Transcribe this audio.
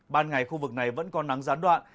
ban ngày khu vực này vẫn có nắng gián đoạn